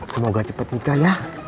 semoga cepat nikah ya